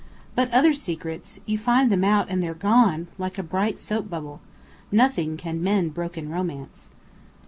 But other secrets! You find them out, and they're gone, like a bright soap bubble. Nothing can mend broken romance!"